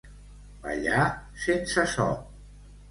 Ballar sense so.